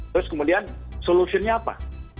terus kemudian solutionnya apa